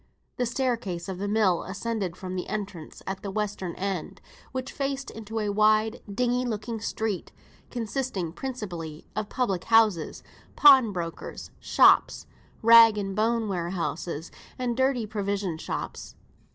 The staircase of the mill ascended from the entrance at the western end, which faced into a wide dingy looking street, consisting principally of public houses, pawn brokers' shops, rag and bone warehouses, and dirty provision shops.